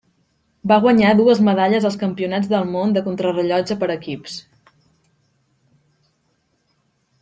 Va guanyar dues medalles als Campionats del Món de contrarellotge per equips.